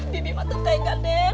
bibi mah tertegang den